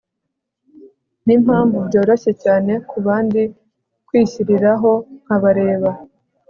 nimpamvu byoroshye cyane kubandi kwishyiriraho nkabarera